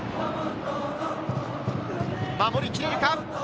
守り切れるか？